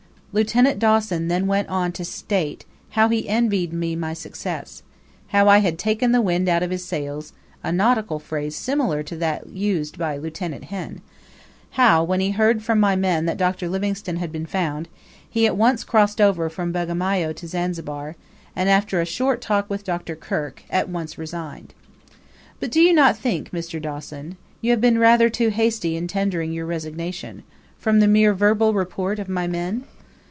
Lieut. Dawson then went on to state how he envied me my success; how I had "taken the wind out of his sails" (a nautical phrase similar to that used by Lieut. Henn); how, when he heard from my men that Dr. Livingstone had been found, he at once crossed over from Bagamoyo to Zanzibar, and, after a short talk with Dr. Kirk, at once resigned. "But do you not think, Mr. Dawson, you have been rather too hasty in tendering your resignation, from the more verbal report of my men?"